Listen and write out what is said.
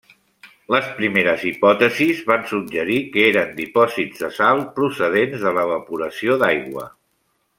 Les primeres hipòtesis van suggerir que eren dipòsits de sal procedents de l'evaporació d'aigua.